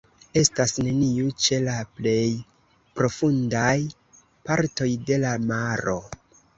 Estas neniu ĉe la plej profundaj partoj de la maro.